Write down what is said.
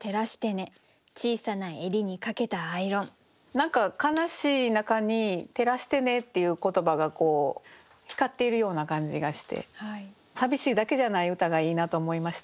何か悲しい中に「照らしてね」っていう言葉が光っているような感じがして寂しいだけじゃない歌がいいなと思いました。